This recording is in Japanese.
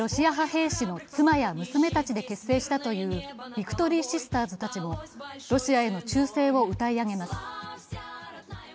兵士の妻や娘たちで結成したというビクトリーシスターズたちもロシアへの忠誠を歌い上げます。